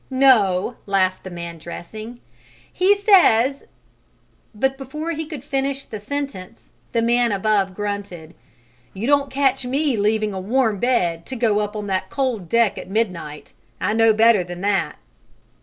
"No," laughed the man dressing, "he says " But before he could finish the sentence the man above grunted: "You don't catch me leaving a warm bed to go up on that cold deck at midnight. I know better than that."